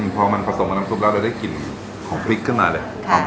พอมันผสมกับน้ำซุปแล้วเราได้กลิ่นของพริกขึ้นมาเลย